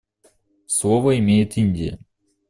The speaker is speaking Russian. Слово имеет Индия.